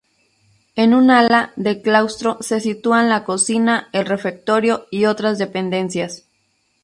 En un ala del claustro se sitúan la cocina, el refectorio y otras dependencias.